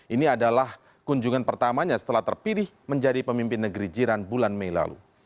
ini adalah kunjungan pertamanya setelah terpilih menjadi pemimpin negeri jiran bulan mei lalu